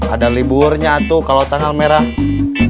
ada liburnya tuh kalau tanggal menangisnya ya kan